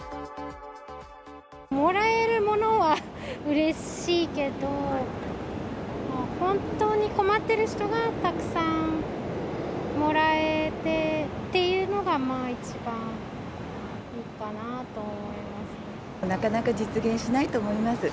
もらえるものはうれしいけど、本当に困っている人がたくさんもらえてっていうのが、なかなか実現しないと思います。